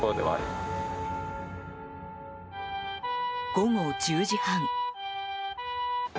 午後１０時半。